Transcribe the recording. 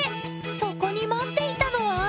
そこに待っていたのは！